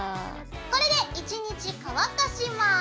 これで１日乾かします。